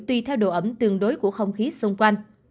tuy theo độ ấm tương đối của không khí xung quanh